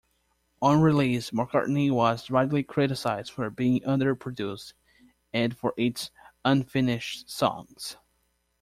On release, "McCartney" was widely criticised for being under-produced and for its unfinished songs.